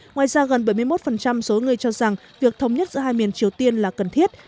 ngoài ra gần bảy mươi một số người cho rằng việc thống nhất giữa hai miền triều tiên là cần thiết